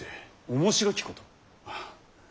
面白きこと？はあ。